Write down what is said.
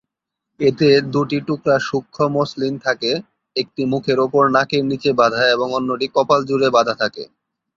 এতে দুটি টুকরা সূক্ষ্ম মসলিন থাকে, একটি মুখের উপর নাকের নীচে বাঁধা এবং অন্যটি কপাল জুড়ে বাঁধা থাকে।